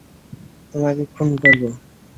তোমাকে খুন করবো।